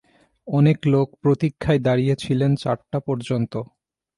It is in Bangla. অনেক লোক প্রতীক্ষায় দাঁড়িয়ে ছিলেন চারটা পর্যন্ত।